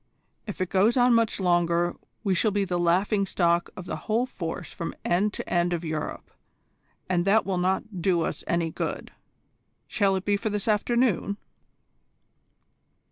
If it goes on much longer we shall be the laughing stock of the whole force from end to end of Europe, and that will not do us any good. Shall it be for this afternoon?"